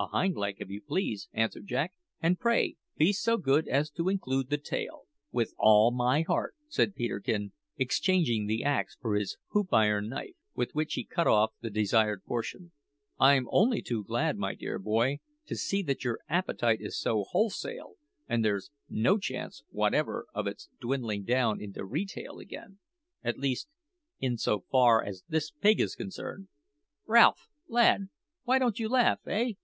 "A hind leg, if you please," answered Jack; "and, pray, be so good as to include the tail." "With all my heart," said Peterkin, exchanging the axe for his hoop iron knife, with which he cut off the desired portion. "I'm only too glad, my dear boy, to see that your appetite is so wholesale, and there's no chance whatever of its dwindling down into re tail again at least, in so far as this pig is concerned. Ralph, lad, why don't you laugh, eh?"